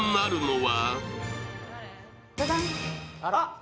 は？